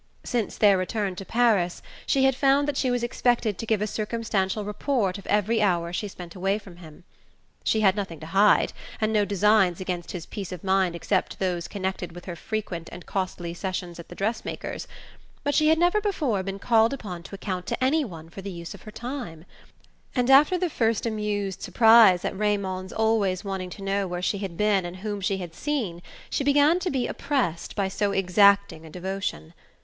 Since their return to Paris she had found that she was expected to give a circumstantial report of every hour she spent away from him. She had nothing to hide, and no designs against his peace of mind except those connected with her frequent and costly sessions at the dress makers'; but she had never before been called upon to account to any one for the use of her time, and after the first amused surprise at Raymond's always wanting to know where she had been and whom she had seen she began to be oppressed by so exacting a devotion.